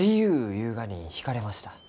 ゆうがに引かれました。